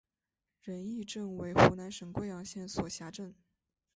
仁义镇为湖南省桂阳县所辖镇。